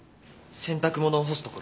洗濯物を干す所。